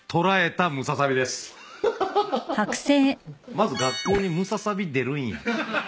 まず学校にムササビ出るんや。